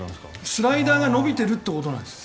スライダーが伸びてるってことなんですか？